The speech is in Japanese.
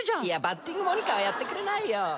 いやバッティングモニカはやってくれないよ。